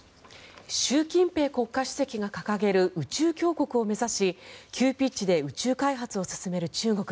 習近平国家主席が掲げる宇宙強国を目指し急ピッチで宇宙開発を進める中国。